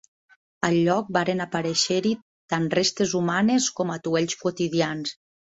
Al lloc varen aparèixer-hi tant restes humanes com atuells quotidians.